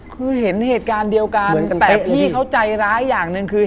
คือเห็นเหตุการณ์เดียวกันแต่พี่เขาใจร้ายอย่างหนึ่งคือ